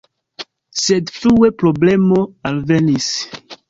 Sed frue problemo alvenis.